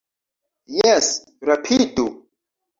Jes, rapidu